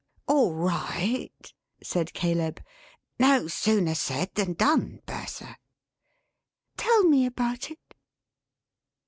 "All right," said Caleb. "No sooner said than done, Bertha." "Tell me about it."